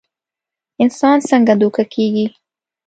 انسان څنګ دوکه کيږي